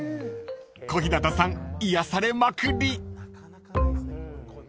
［小日向さん癒やされまくり］